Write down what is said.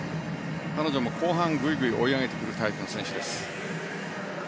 彼女も後半グイグイ追い上げてくるタイプの選手です。